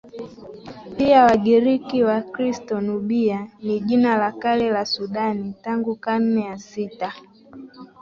pia Wagiriki Wakristo Nubia ni jina la kale la Sudan Tangu karne ya sita